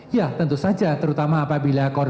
ya tentu saja terutama apabila korban